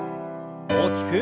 大きく。